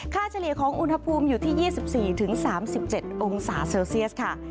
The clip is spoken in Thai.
เฉลี่ยของอุณหภูมิอยู่ที่๒๔๓๗องศาเซลเซียสค่ะ